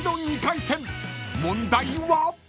［問題は］